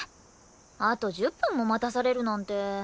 あと１０分も待たされるなんて。